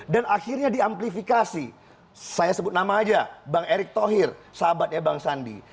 dan akhirnya di amplifikasi saya sebut nama aja bang erik thohir sahabatnya bang sandi